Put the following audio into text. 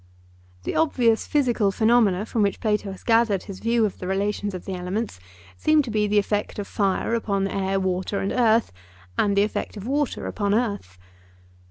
The obvious physical phenomena from which Plato has gathered his views of the relations of the elements seem to be the effect of fire upon air, water, and earth, and the effect of water upon earth.